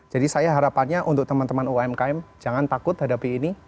jadi saya harapannya untuk teman teman umkm jangan takut hadapi ini